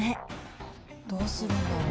「どうするんだろう？」